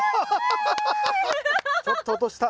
ちょっと落とした。